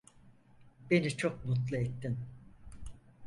Beni çok mutlu ettin.